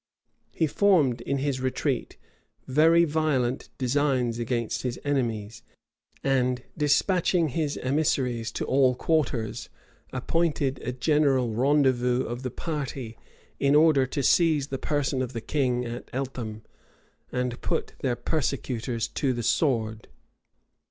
He formed in his retreat very violent designs against his enemies; and despatching his emissaries to all quarters, appointed a general rendezvous of the party, in order to seize the person of the king at Eltham, and put their persecutors to the sword.